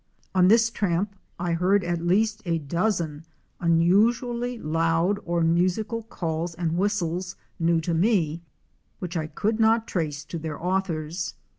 On this tramp I heard at least a dozen unusually loud or musical calls and whistles, new to me, which I could not trace to their authors.